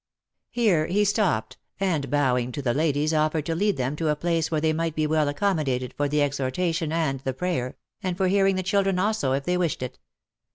Here he stopped, and bowing to the ladies offered to lead them to a place where they might be well accommodated for the exhortation and and prayer, and for hearing the children also, if they wished it.